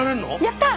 やった！